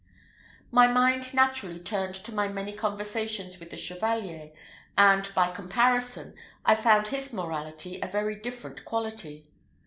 My mind naturally turned to my many conversations with the Chevalier, and, by comparison, I found his morality of a very different quality.